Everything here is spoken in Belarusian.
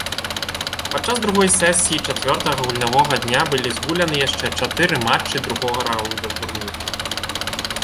Падчас другой сесіі чацвёртага гульнявога дня былі згуляны яшчэ чатыры матчы другога раўнда турніру.